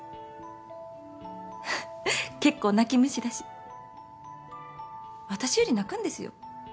結構泣き虫だし私より泣くんですよ。